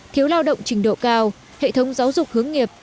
thiếu lao động trình độ cao hệ thống giáo dục hướng nghiệp